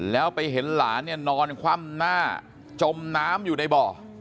แล้วไปเห็นหลานเนี่ยนอนคว่ำหน้าจมน้ำอยู่ในบ่อ